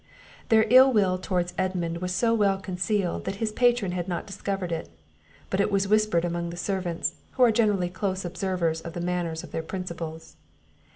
Their ill will towards Edmund was so well concealed, that his patron had not discovered it; but it was whispered among the servants, who are generally close observers of the manners of their principals.